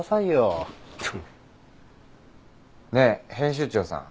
ねえ編集長さん。